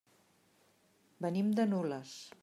Venim de Nules.